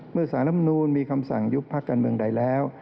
เมื่อสารลำนูลมีคำสั่งยุบพักการเมืองใดแล้ว